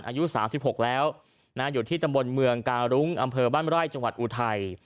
อายุ๓๖แล้วอยู่ที่ตำบลเมืองการุ้งอำเภอบ้านไร่จังหวัดอุทัย